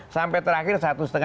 sampai terakhir satu lima juta ton